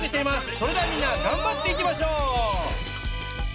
それではみんながんばっていきましょう！